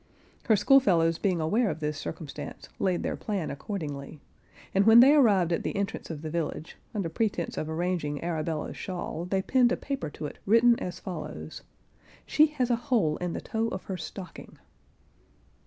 Her schoolfellows being aware of this circumstance, laid their plan accordingly; and when they arrived at the entrance of the village, under pretence of arranging[Pg 52] Arabella's shawl, they pinned a paper to it written as follows: "She has a hole in the toe of her stocking."